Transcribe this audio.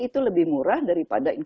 itu lebih murah daripada